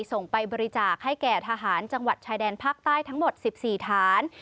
ส่งไปบริจาคให้แก่ทหารจังหวัดชายแดนภาคใต้ทั้งหมด๑๔ฐาน